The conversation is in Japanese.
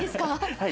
はい。